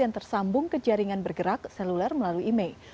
yang tersambung ke jaringan bergerak seluler melalui e mail